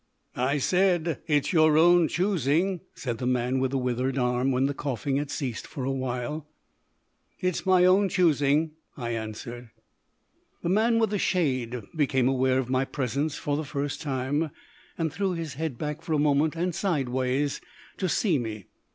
"I said it's your own choosing," said the man with the withered arm, when the coughing had ceased for a while. "It's my own choosing," I answered. The man with the shade became aware of my presence for the first time, and threw his head back for a moment and sideways, to see me.